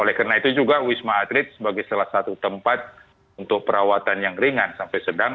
oleh karena itu juga wisma atlet sebagai salah satu tempat untuk perawatan yang ringan sampai sedang